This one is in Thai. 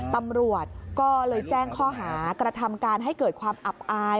ตำรวจก็เลยแจ้งข้อหากระทำการให้เกิดความอับอาย